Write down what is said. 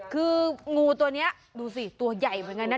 คืองูตัวนี้ดูสิตัวใหญ่เหมือนกันนะ